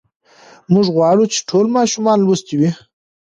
موږ غواړو چې ټول ماشومان لوستي وي.